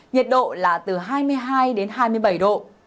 nhiệt độ là từ hai mươi hai đến hai mươi bảy độ